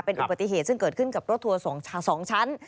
เป็นอุบัติเหตุซึ่งเกิดขึ้นกับรถทัวร์๒ชั้น